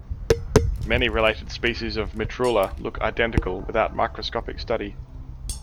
Many related species of "Mitrula" look identical without microscopic study.